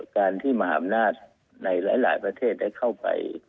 การที่มหาอำนาจในหลายประเทศได้เข้าไป